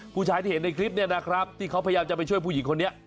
ผู้ชายที่เห็นในคลิปนี้นะครับที่เขาพยายามจะไปช่วยผู้หญิงคนนี้